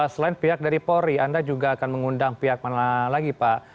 selain pihak dari polri anda juga akan mengundang pihak mana lagi pak